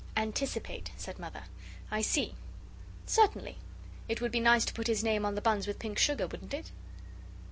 "Anticipate," said Mother. "I see. Certainly. It would be nice to put his name on the buns with pink sugar, wouldn't it?"